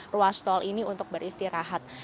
ruas tol ini untuk beristirahat